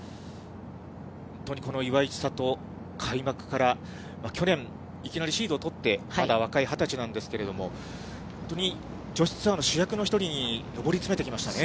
本当にこの岩井千怜、開幕から去年、いきなりシードを取って、まだ若い２０歳なんですけれども、本当に女子ツアーの主役の１人に上り詰めてきましたね。